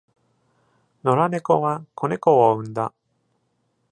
野良猫は子猫を産んだ。